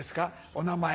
お名前。